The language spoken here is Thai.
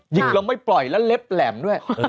เราไม่ปล่อยแล้วเล็บแหลมด้วย